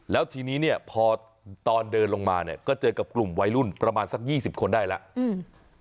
แล้วทีนี้เนี่ยพอตอนเดินลงมาเนี่ยก็เจอกับกลุ่มวัยรุ่นประมาณสักยี่สิบคนได้แล้วอืม